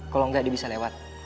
kalo engga dia bisa lewat